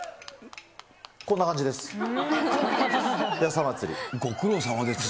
こんな感じです。